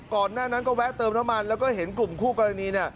ก่อนหน้านั้นก็แวะเติมน้ำมันแล้วก็เห็นกลุ่มคู่กรณี